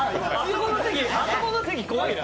あそこの席、怖いな。